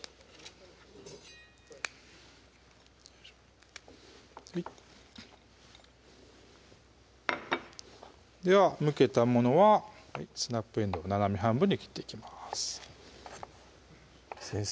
よいしょはいではむけたものはスナップえんどう斜め半分に切っていきます先生